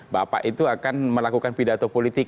bapak itu akan melakukan pidato politik